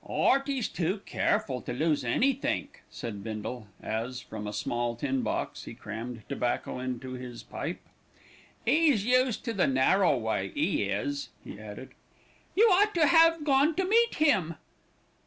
"'Earty's too careful to lose anythink," said Bindle, as, from a small tin box, he crammed tobacco into his pipe. "'E's used to the narrow way 'e is," he added. "You ought to have gone to meet him."